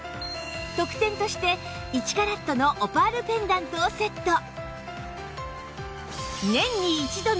特典として１カラットのオパールペンダントをセット